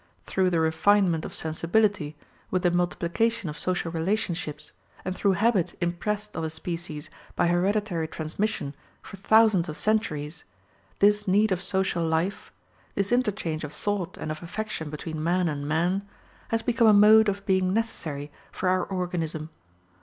Through the refinement of sensibility, with the multiplication of social relationships, and through habit impressed on the species by hereditary transmission for thousands of centuries, this need of social life, this interchange of thought and of affection between man and man, has become a mode of being necessary for our organism.